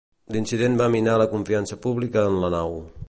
L'incident va minar la confiança pública en la nau.